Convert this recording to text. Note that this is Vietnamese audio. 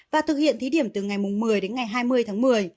và thực hiện thí điểm từ ngày một mươi đến ngày hai mươi tháng một mươi